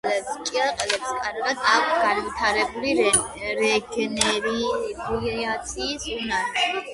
ჭიაყელებს კარგად აქვთ განვითარებული რეგენერაციის უნარი.